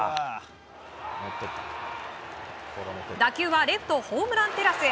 打球はレフトホームランテラスへ。